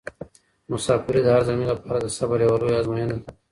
مساپري د هر زلمي لپاره د صبر یوه لویه ازموینه ده.